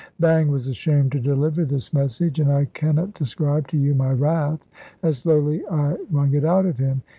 Bang was ashamed to deliver this message; and I cannot describe to you my wrath, as slowly I wrung it out of him.